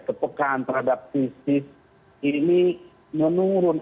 kepekaan terhadap krisis ini menurun